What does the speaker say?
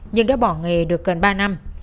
nhưng đã bỏ nghề được gần ba năm